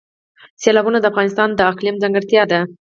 سیلابونه د افغانستان د اقلیم ځانګړتیا ده.